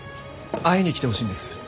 会いに来てほしいんです。